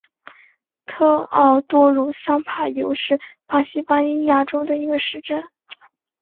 特奥多鲁桑帕尤是巴西巴伊亚州的一个市镇。